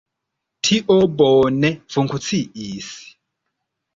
Tio bone funkciis.